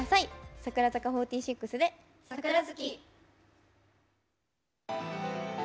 櫻坂４６で「桜月」。